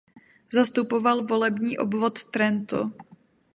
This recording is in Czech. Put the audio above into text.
Zastupoval volební obvod Trento.